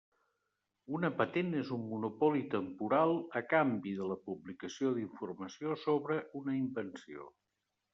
Una patent és un monopoli temporal a canvi de la publicació d'informació sobre una invenció.